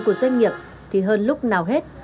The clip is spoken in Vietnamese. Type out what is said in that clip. của doanh nghiệp thì hơn lúc nào hết